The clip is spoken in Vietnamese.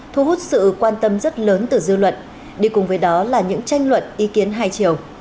thu hút sự quan tâm rất lớn từ dư luận đi cùng với đó là những tranh luận ý kiến hai chiều